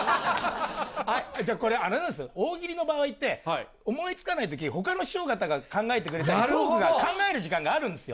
じゃあ、これ、あれなんですよ、大喜利の場合って、思いつかないとき、ほかの師匠方が考えてくれたり、トークが、考える時間があるんですよ。